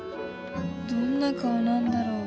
どんな顔なんだろう